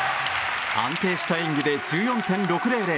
安定した演技で１４．６００。